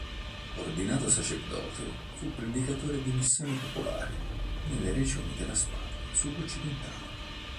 Ordinato sacerdote, fu predicatore di missioni popolari nelle regioni della Spagna sud occidentale.